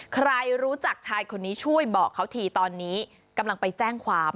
ใครรู้จักชายคนนี้ช่วยบอกเขาทีตอนนี้กำลังไปแจ้งความ